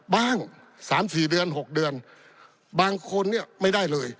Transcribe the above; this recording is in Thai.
๓๔เดือน๖เดือนบางคนเนี่ยไม่ได้เลย